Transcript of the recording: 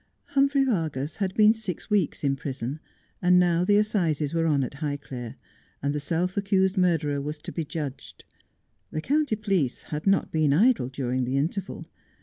Humphrey Vargas had been six weeks in prison, and now the assizes were on at Highclere, and the self accused murderer has to be judged. The county police had not been idle during the interval.